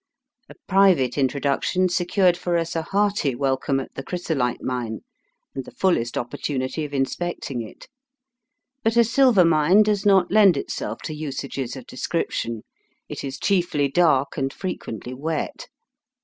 A private introduction secured for us a hearty welcome at ' the Chrysolite Mine, and the fullest VOL. I. 6 Digitized by VjOOQIC 82 EAST BY WEST. opportunity of inspecting it. But a silver mine does not lend itseK to usages of de scription. It is chiefly dark and frequently wet.